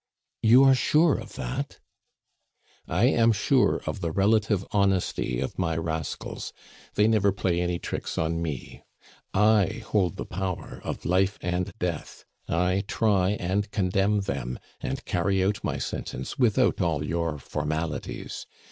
"You are sure of that?" "I am sure of the relative honesty of my rascals; they never play any tricks on me. I hold the power of life and death; I try and condemn them and carry out my sentence without all your formalities.